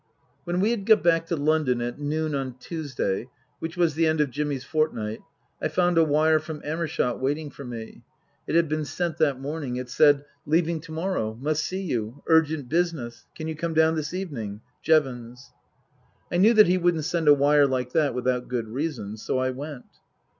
When we had got back to London at noon on Tuesday, which was the end of Jimmy's fortnight, I found a wire from Amershott waiting for me. It had been sent that morning. It said :" Leaving to morrow. Must see you urgent business. Can you come down this evening. JEVONS." I knew that he wouldn't send a wire like that without good reason ; so I went.